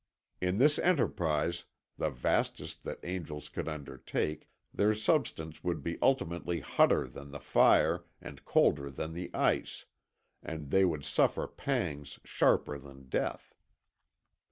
In this enterprise the vastest that angels could undertake their substance would be ultimately hotter than the fire and colder than the ice, and they would suffer pangs sharper than death.